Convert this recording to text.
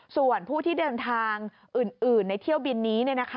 ส่วนผู้ที่เดินทางอื่นในเที่ยวบินนี้